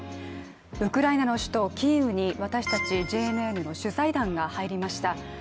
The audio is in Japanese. ウクライナの首都キーウに私たちＪＮＮの取材団が入りました。